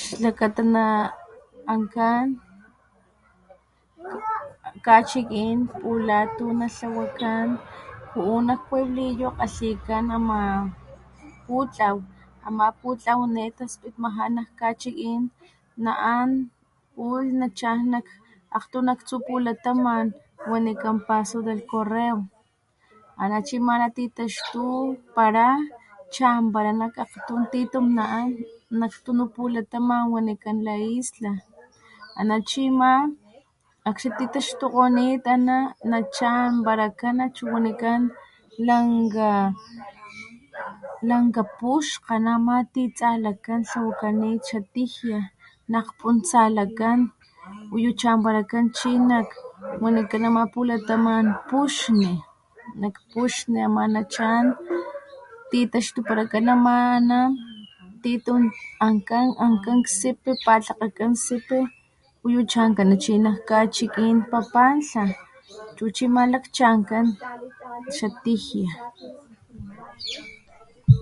"Xlakata naankan nak kachikin pula tu natlawakan juhu nak puebliyo kgalikan ama putlao ama putlao ne taspitmaxa nak kachikin nahan pull nachan nak aktumtsupulataman wanikan ""paso del correo"" anachi maratitaxtupara chambara nak aktum titum nahan nak tunu pulataman wanican la isla ana chi ma akxni titaxtokgonit ana na chambarakan achu wanikan lankga puxka ana ma ni tsalakan tlawakanit xa tijia nakputsalakan y chambarakan chi nak wanikan ama pulataman puxni, nak puxni ama na chan titaxtuparakan ama ana titum ankan sipi patlakakan sipi ullu chankana chi nak kachikin Papantla, chu chi ama lakchankan xa tixjia. "